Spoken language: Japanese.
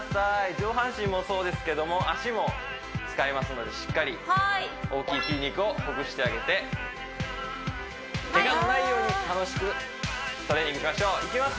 上半身もそうですけども脚も使いますのでしっかり大きい筋肉をほぐしてあげてけがのないように楽しくトレーニングしましょういきます